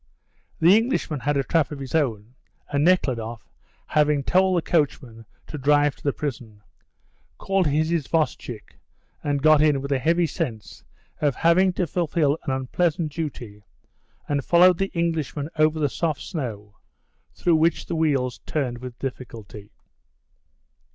The Englishman had a trap of his own, and Nekhludoff, having told the coachman to drive to the prison, called his isvostchik and got in with the heavy sense of having to fulfil an unpleasant duty, and followed the Englishman over the soft snow, through which the wheels turned with difficulty.